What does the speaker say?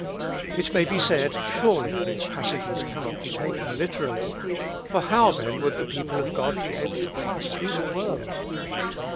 It may be said, ' Surely these passages cannot be taken literally, for how then would the people of God be able to pass through the world?'